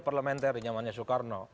parliamentary namanya soekarno